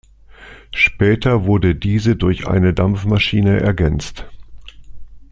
Später wurde diese durch eine Dampfmaschine ergänzt.